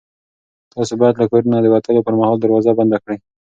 تاسو باید له کور نه د وتلو پر مهال دروازه بنده کړئ.